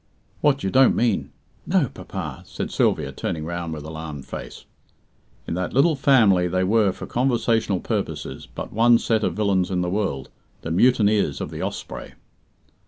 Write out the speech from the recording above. "What, you don't mean? No, papa!" said Sylvia, turning round with alarmed face. In that little family there were, for conversational purposes, but one set of villains in the world the mutineers of the Osprey.